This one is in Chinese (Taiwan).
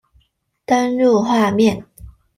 登入畫面